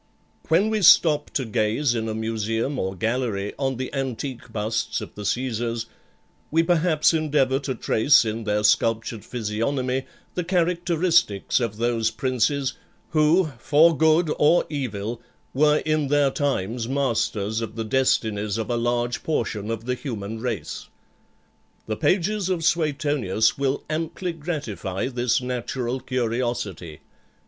When we stop to gaze in a museum or gallery on the antique busts of the Caesars, we perhaps endeavour to trace in their sculptured physiognomy the characteristics of those princes, who, for good or evil, were in their times masters of the destinies of a large portion of the human race. The pages of Suetonius will amply gratify this natural curiosity.